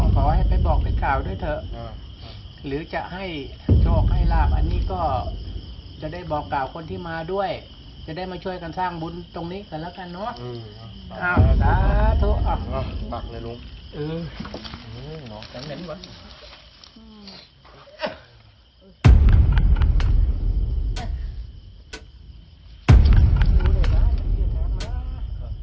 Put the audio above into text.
ขอให้ไปบอกให้ข่าวด้วยเถอะหรือจะให้โชคให้ลาบอันนี้ก็จะได้บอกกล่าวคนที่มาด้วยจะได้มาช่วยกันสร้างบุญตรงนี้กันแล้วกันเนอะ